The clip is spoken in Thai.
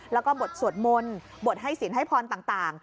เราก็บทสวดมนท์บทให้สินให้พลต่าง